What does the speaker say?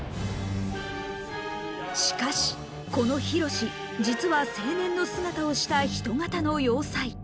しかしこのヒロシ実は青年の姿をした人型の要塞。